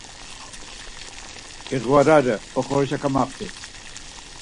İğvarare, oxorişe kamaxti.